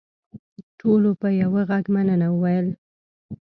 ټولو په یوه غږ مننه وویل.